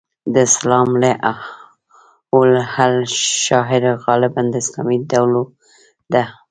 د الاسلام هو الحل شعار غالباً د اسلامي ډلو ده.